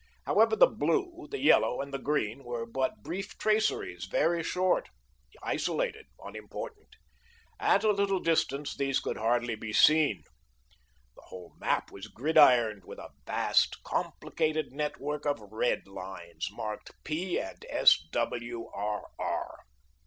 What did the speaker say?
However, the blue, the yellow, and the green were but brief traceries, very short, isolated, unimportant. At a little distance these could hardly be seen. The whole map was gridironed by a vast, complicated network of red lines marked P. and S. W. R. R.